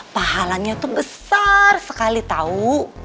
pahalanya tuh besar sekali tau